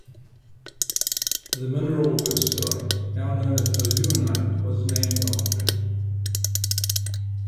The mineral "websterite" now known as aluminite was named after him.